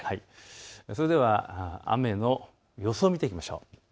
それでは雨の予想を見ていきましょう。